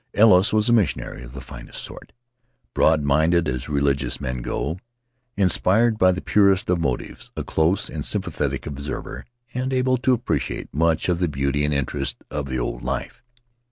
Ellis was a missionary of the finest sort — broad minded as religious men go, inspired by the purest of motives, a close and sympathetic observer, and able to appreciate much of the beauty and interest of the old life.